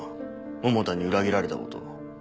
百田に裏切られたこと。